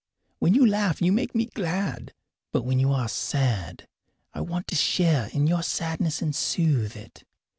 When you laugh you make me glad, but when you are sad I want to share in your sadness and soothe it.